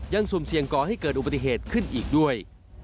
สุ่มเสี่ยงก่อให้เกิดอุบัติเหตุขึ้นอีกด้วย